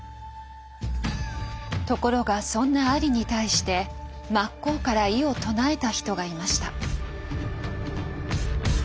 ところがそんなアリに対して真っ向から異を唱えた人がいました。